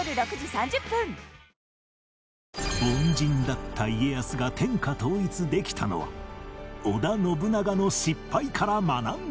凡人だった家康が天下統一できたのは織田信長の失敗から学んだから